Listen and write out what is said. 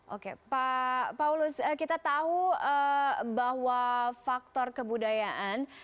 oke pak paulus kita tahu bahwa faktor kebudayaan